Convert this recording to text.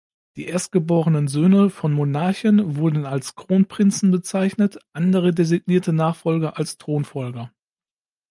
Die erstgeborenen Söhne von Monarchen wurden als Kronprinzen bezeichnet, andere designierte Nachfolger als Thronfolger.